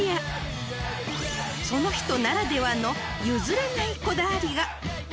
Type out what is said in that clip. ［その人ならではの譲れないこだわりが］